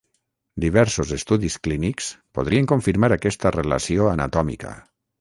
Diversos estudis clínics podrien confirmar aquesta relació anatòmica.